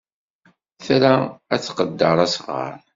Tra ad tqedder asɣar.